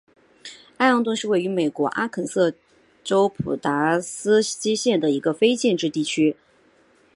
艾昂顿是位于美国阿肯色州普拉斯基县的一个非建制地区。